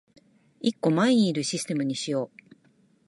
一個前にいるシステムにしよう